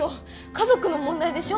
家族の問題でしょ。